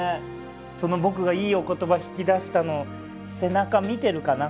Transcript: その僕がいいお言葉引き出したの背中見てるかな？